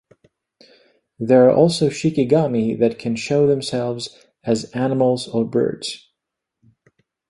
There are also shikigami that can show themselves as animals or birds.